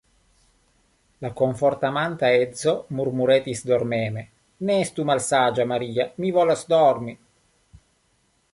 La komfortamanta edzo murmuretis dormeme: Ne estu malsaĝa, Maria; mi volas dormi.